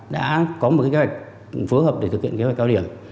đã có một kế hoạch phối hợp để thực hiện kế hoạch cao điểm